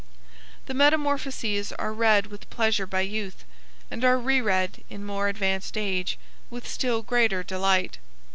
The 'Metamorphoses' are read with pleasure by youth, and are re read in more advanced age with still greater delight.